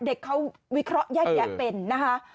เด็กเขาวิเคราะห์แยกแยะเป็นนะคะ